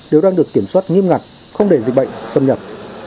đều đang được kiểm soát nghiêm ngặt không để dịch bệnh xâm nhập